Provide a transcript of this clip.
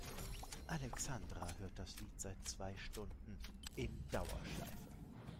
Alexandra hört das Lied seit zwei Stunden in Dauerschleife.